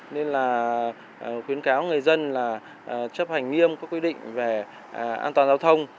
nên là khuyến cáo người dân là chấp hành nghiêm các quy định về an toàn giao thông